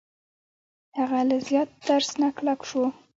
هغه له زیات ترس نه کلک شو.